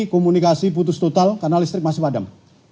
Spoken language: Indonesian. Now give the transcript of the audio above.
komunikasi putus total karena listrik masih padam